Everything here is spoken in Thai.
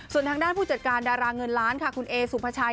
ส่วนทางด้านผู้จัดการดาราเงินล้านค่ะคุณเอสุภาชัย